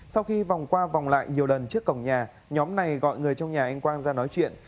sau khi vòng qua vòng lại nhiều lần trước cổng nhà nhóm này gọi người trong nhà anh quang ra nói chuyện